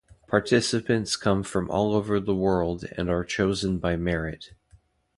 Participants come from all over the world and are chosen by merit.